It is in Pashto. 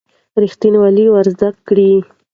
ریښتینولي ور زده کړئ.